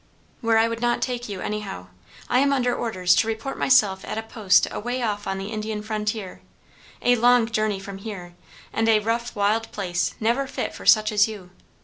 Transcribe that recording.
"Where I would not take you, anyhow. I am under orders to report myself at a post away off on the Indian frontier, a long journey from here; and a rough, wild place never fit for such as you.